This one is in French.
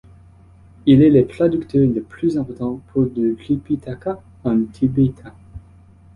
Il est le traducteur le plus important pour du Tripitaka en tibétain.